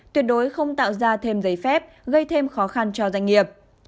tuyệt đối không tạo ra thêm giấy phép gây thêm khó khăn cho doanh nghiệp